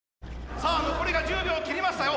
さあ残りが１０秒切りましたよ。